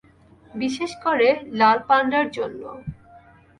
বিশেষ করে লাল পান্ডার জন্য।